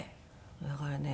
だからね